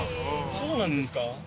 そうなんですか。